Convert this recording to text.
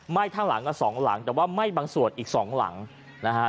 ทั้งหลังอ่ะสองหลังแต่ว่าไหม้บางส่วนอีกสองหลังนะฮะ